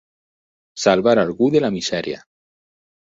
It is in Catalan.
Salvar algú de la misèria.